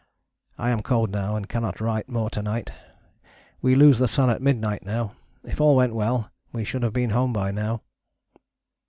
I am cold now and cannot write more to night. We lose the sun at midnight now. If all had went well we should have been home by now.